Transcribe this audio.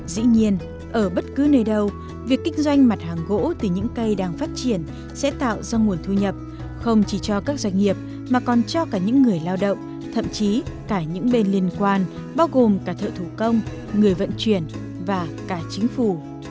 dĩ nhiên ở bất cứ nơi đâu việc kích doanh mặt hàng gỗ từ những cây đang phát triển sẽ tạo ra nguồn thu nhập không chỉ cho các doanh nghiệp mà còn cho cả những người lao động thậm chí cả những bên liên quan bao gồm cả thợ thủ công người vận chuyển và cả chính phủ